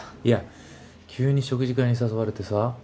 いや急に食事会に誘われてさ。